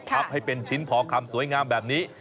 ให้เป็นชิ้นพอคำสวยงามแบบนี้